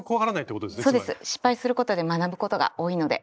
失敗することで学ぶことが多いので。